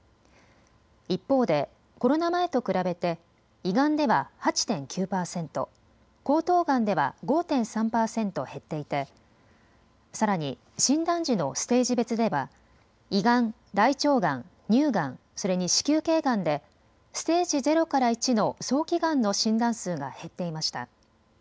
一方でコロナ前と比べて胃がんでは８．９％、喉頭がんでは５．３％減っていてさらに診断時のステージ別では胃がん、大腸がん、乳がん、それに子宮けいがんでステージ０から１の早期がんの診断数が減っていました。